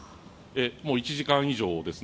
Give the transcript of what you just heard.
もう１時間以上ですね。